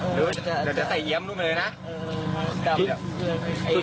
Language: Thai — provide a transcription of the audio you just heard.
หรือเดี๋ยวจะใส่เย็มรูใหม่เลยนะ